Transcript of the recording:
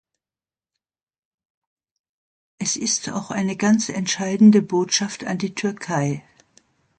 Es ist auch eine ganz entscheidende Botschaft an die Türkei.